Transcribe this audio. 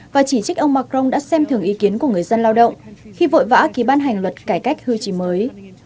và chỉ trích ông macron đã xem thường ý kiến của người dân lao động khi vội vã ký ban hành luật cải cách hưu trí mới